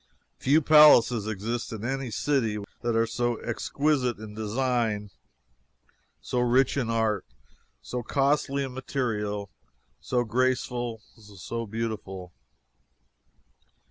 Few palaces exist in any city that are so exquisite in design, so rich in art, so costly in material, so graceful, so beautiful.